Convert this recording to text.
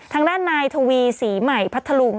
ทางด้านนายทวีศรีใหม่พัทธลุง